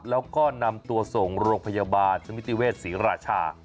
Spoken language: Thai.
แล้วก็นำตัวส่งโรงพยาบาลสมิติเวศศรีราชา